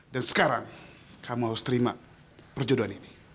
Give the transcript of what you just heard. dan sekarang kamu harus terima perjodohan ini